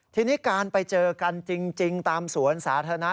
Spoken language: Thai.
ทีนี้การไปเจอกันจริงตามสวนสาธารณะ